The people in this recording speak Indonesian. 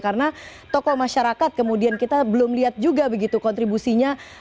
karena tokoh masyarakat kemudian kita belum lihat juga begitu kontribusinya